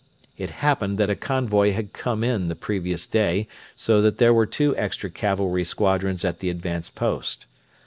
It happened that a convoy had come in the previous day, so that there were two extra cavalry squadrons at the advanced post.